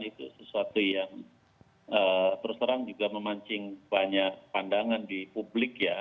itu sesuatu yang terus terang juga memancing banyak pandangan di publik ya